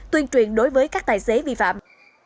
tuyên truyền đối với các tài xế vi phạm